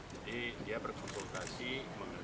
jadi dia berkonsultasi mengenai